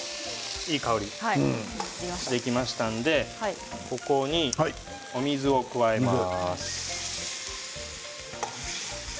いい香りがしてきましたのでここにお水を加えます。